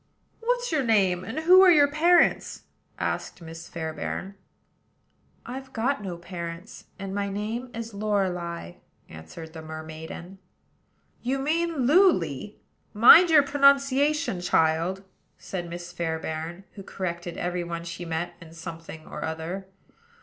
"What's your name? and who are your parents?" asked Miss Fairbairn. "I've got no parents; and my name is Lorelei," answered the mermaiden. "You mean Luly; mind your pronunciation, child," said Miss Fairbairn, who corrected every one she met in something or other.